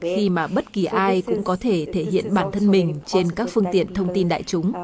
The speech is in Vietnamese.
khi mà bất kỳ ai cũng có thể thể hiện bản thân mình trên các phương tiện thông tin đại chúng